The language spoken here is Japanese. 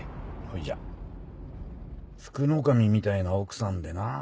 ほいじゃ福の神みたいな奥さんでなぁ。